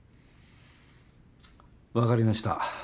わかりました。